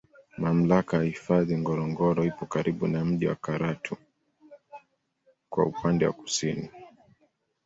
Mamlaka ya hifadhi Ngorongoro ipo karibu na mji wa Karatu kwa upande wa kusini